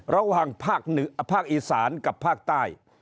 ระหว่างภาคอีสานกับภาคใต้